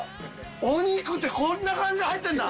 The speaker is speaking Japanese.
お肉ってこんな感じで入ってるんだ。